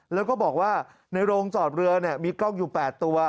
แล้วก็บอกว่าในโรงจอดเรือมีกล้องอยู่๘ตัว